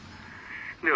では。